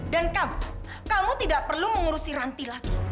dan kamu kamu tidak perlu mengurusi ranti lagi